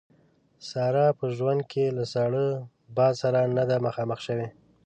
ساره په ژوند کې له ساړه باد سره نه ده مخامخ شوې.